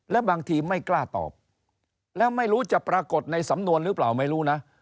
และบางทีไม่กล้าตอบแล้วไม่รู้จะปรากฏในสำนวนหรือเปล่าไม่รู้นะ